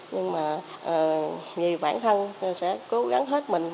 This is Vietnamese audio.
nhưng mà vì bản thân sẽ cố gắng hết mình